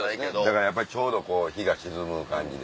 だからやっぱりちょうど日が沈む感じで。